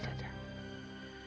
satu dua hari saja